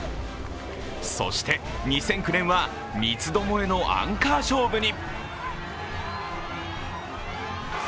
そして２００９年は三つどもえのアンカー勝負に。